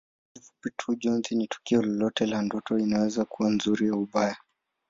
Kwa kifupi tu Njozi ni tukio lolote la ndoto inaweza kuwa nzuri au mbaya